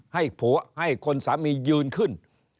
ผัวให้คนสามียืนขึ้น